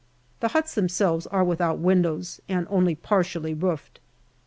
The huts themselves are without windows and only partially roofed.